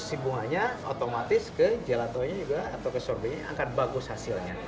si bunganya otomatis ke gelatonya atau sorbonya akan bagus hasilnya